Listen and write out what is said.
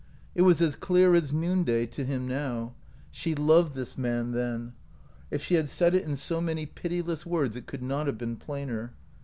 It was as clear as noonday to him now. She loved this man, then. If she had said it in so many pitiless words it could not have been plainer.